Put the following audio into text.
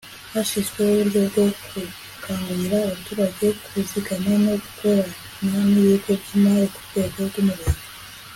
hashyizweho uburyo bwo gukangurira abaturage kuzigama no gukorana n'ibigo by'imari ku rwego rw'umurenge